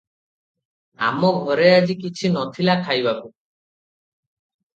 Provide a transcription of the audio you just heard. “-ଆମ ଘରେ ଆଜି କିଛି ନଥିଲା ଖାଇବାକୁ ।